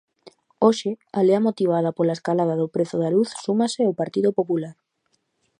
Hoxe, á lea motivada pola escalada do prezo da luz súmase o Partido Popular.